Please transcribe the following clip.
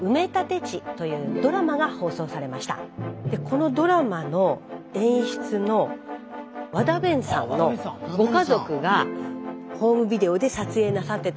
このドラマの演出の和田勉さんのご家族がホームビデオで撮影なさってた。